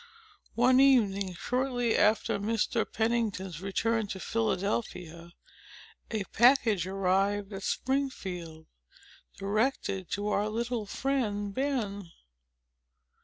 One evening, shortly after Mr. Pennington's return to Philadelphia, a package arrived at Springfield, directed to our little friend Ben.